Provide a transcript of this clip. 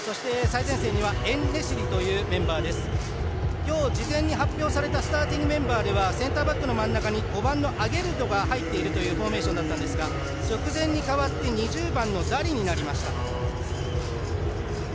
今日、事前に発表されたスターティングメンバーではセンターバックの真ん中に５番のアゲルドが入っていたフォーメーションだったんですが直前に代わって２０番のダリになりました。